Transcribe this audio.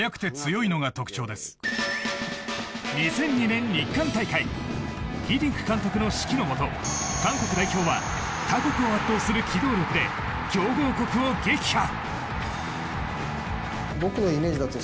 ２００２年、日韓大会ヒディンク監督の指揮の下韓国代表は他国を圧倒する機動力で強豪国を撃破。